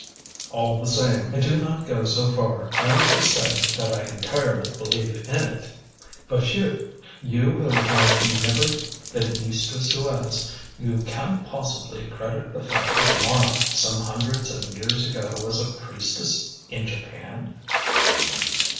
All the same, I do not go so far as to say that I entirely believe in it. But you you who have never been east of Suez you can't possibly credit the fact that Mara some hundreds of years ago was a priestess in Japan?"